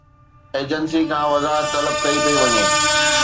Agency کان وضاحت طلب ڪئي پئي وڃي.